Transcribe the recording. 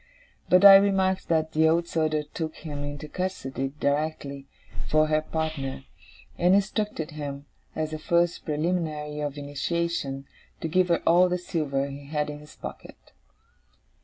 But I remarked that the Old Soldier took him into custody directly, for her partner; and instructed him, as the first preliminary of initiation, to give her all the silver he had in his pocket.